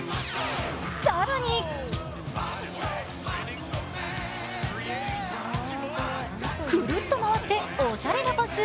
更にクルッと回って、おしゃれなパス。